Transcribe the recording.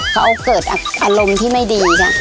เขาเกิดอารมณ์ที่ไม่ดีนะ